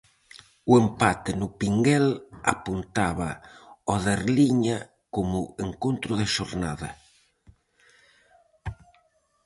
O empate no Pinguel apuntaba ao de Arliña como encontro da xornada.